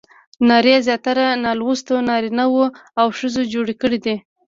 نارې زیاتره نالوستو نارینه وو او ښځو جوړې کړې دي.